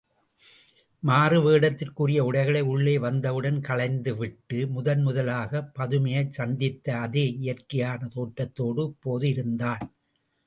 மாறுவேடத்திற்குரிய உடைகளை உள்ளே வந்தவுடன் களைந்துவிட்டு, முதன் முதலாகப் பதுமையைச் சந்தித்த அதே இயற்கையான தோற்றத்தோடு இப்போது இருந்தான்.